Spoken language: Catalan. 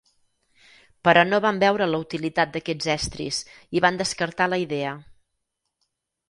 Però no van veure la utilitat d'aquests estris i van descartar la idea.